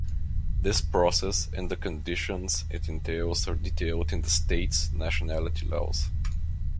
This process and the conditions it entails are detailed is the states' nationality laws.